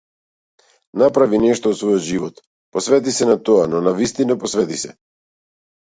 Направи нешто од својот живот, посвети се на тоа, но навистина посвети се.